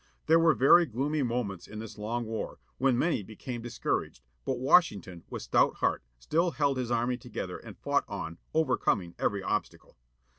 There were very gloomy moments in this long war, when many became dis couraged, but Washington with stout heart still held his army together and fought on, overcoming every obstacle.